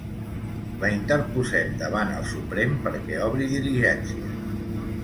La interposem davant el Suprem perquè obri diligències.